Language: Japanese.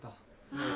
ああ。